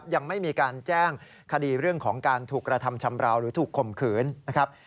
ยังไม่มีการแจ้งคดีเรื่องของการถูกกระทำชำราวหรือถูกข่มขืนนะครับ